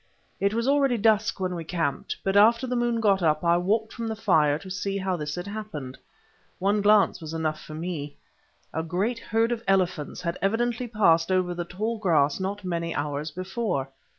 It was already dusk when we camped; but after the moon got up I walked from the fire to see how this had happened. One glance was enough for me; a great herd of elephants had evidently passed over the tall grass not many hours before.